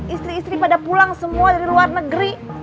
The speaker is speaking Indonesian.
istri istri pada pulang semua dari luar negeri